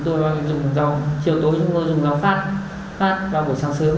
và tôi có thuê thêm bảy người vào buổi chiều tối chúng tôi dùng rau phát vào buổi sáng sớm